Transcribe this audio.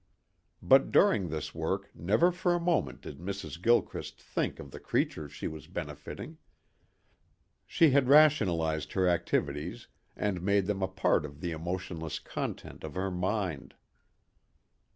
But during this work never for a moment did Mrs. Gilchrist think of the creatures she was benefiting. She had rationalized her activities and made them a part of the emotionless content of her mind.